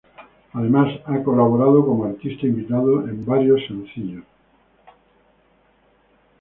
Además ha colaborado como artista invitado en varios sencillos.